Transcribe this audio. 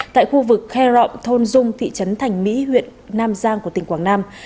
tại khu vực kherom thôn dung thị trấn thành mỹ huyện nam giang của tỉnh quảng nam